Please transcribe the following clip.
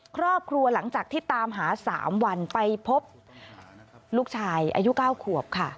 ครอบครัวหลังจากที่ตามหา๓วันไปพบลูกชายอายุ๙ขวบค่ะ